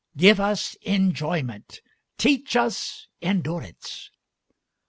"Give us enjoyment!" "Teach us endurance!"